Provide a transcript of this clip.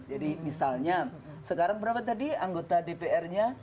jadi misalnya sekarang berapa tadi anggota dpr nya